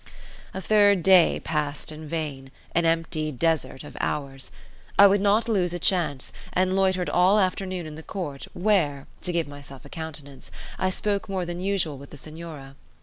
A third day passed in vain—an empty desert of hours. I would not lose a chance, and loitered all afternoon in the court where (to give myself a countenance) I spoke more than usual with the Senora.